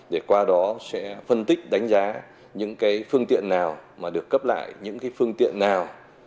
để qua đó sẽ phân tích đánh giá những cái phương tiện nào mà được cấp lại những cái phương tiện nào